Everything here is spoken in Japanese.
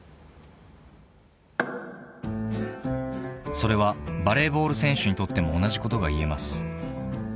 ［それはバレーボール選手にとっても同じことが言えます］